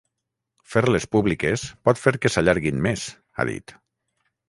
Fer-les públiques pot fer que s’allarguin més, ha dit.